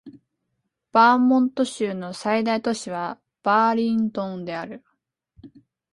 バーモント州の最大都市はバーリントンである